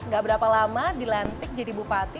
gak berapa lama dilantik jadi bupati